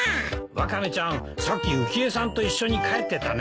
ワカメちゃんさっき浮江さんと一緒に帰ってたね。